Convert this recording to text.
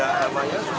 mau kurangkan hati hati